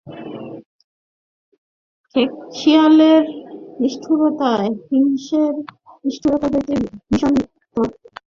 খেঁকশিয়ালের নিষ্ঠুরতা সিংহের নিষ্ঠুরতা হইতে ভীষণতর।